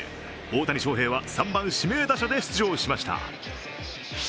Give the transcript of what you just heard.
大谷翔平は３番・指名打者で出場しました。